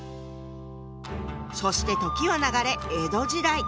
そして時は流れ江戸時代。